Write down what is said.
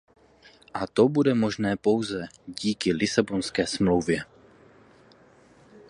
A to bude možné pouze díky Lisabonské smlouvě.